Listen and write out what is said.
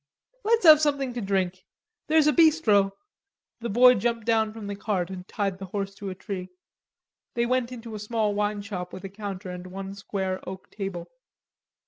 "Let's have something to drink. There's a bistro!" The boy jumped down from the cart and tied the horse to a tree. They went into a small wine shop with a counter and one square oak table.